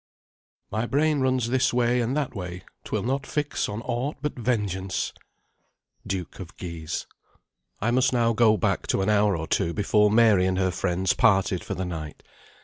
"My brain runs this way and that way; 'twill not fix On aught but vengeance." DUKE OF GUISE. I must now go back to an hour or two before Mary and her friends parted for the night.